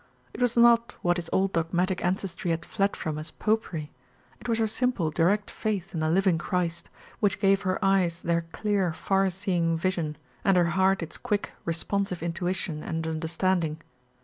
It was not what his old dogmatic ancestry had fled from as "Popery." It was her simple, direct faith in the living Christ, which gave her eyes their clear, far seeing vision, and her heart its quick, responsive intuition and understanding.